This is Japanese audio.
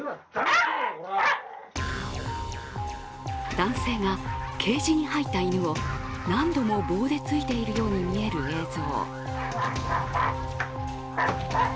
男性がケージに入った犬を何度も棒で突いているように見える映像。